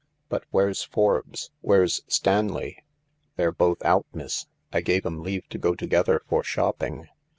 " But where's Forbes ? Where's Stanley ?"" They're both out, miss. I gave 'em leave to go together for shopping.